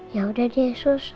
ya udah deh sus